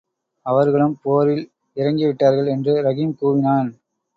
அவர்களும் போரில் இறங்கிவிட்டார்கள்! என்று ரஹீம் கூவினான்.